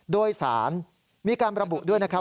โดยสารมีการระบุด้วยนะครับ